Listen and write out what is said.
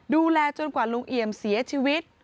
ดูแลจนกว่าลุงเอี่ยมเสียชีวิต